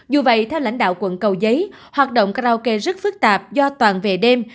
dù vậy theo lãnh đạo quận cầu giấy hoạt động karaoke rất phức tạp do toàn về đêm